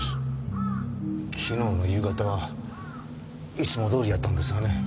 昨日の夕方はいつもどおりやったんですがね。